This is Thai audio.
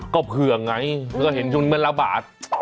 ก็เผื่อไงเห็นช่วงนี้มันเป็นละบาท